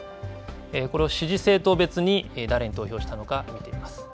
これを支持政党別に誰に投票したのか見ていきます。